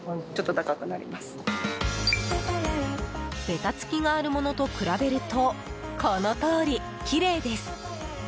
ベタつきがあるものと比べるとこのとおり、きれいです。